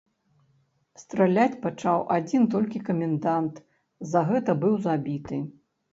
Страляць пачаў адзін толькі камендант, за гэта быў забіты.